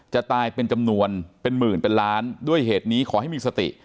จะตายเป็นจำนวนเป็นหมื่นเป็นล้านด้วยเหตุนี้ขอให้มีสติ